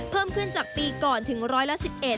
เพิ่มขึ้นจากปีก่อนถึงร้อยละ๑๑